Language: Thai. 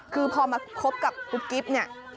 คือพอมาคบกับกุ๊บกิ๊บเนี่ย